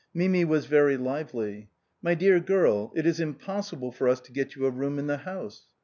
Mimi was very lively. " My dear girl, it is impossible for us to get you a room in the house."